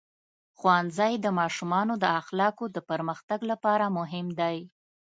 ښوونځی د ماشومانو د اخلاقو د پرمختګ لپاره مهم دی.